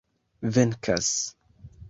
venkas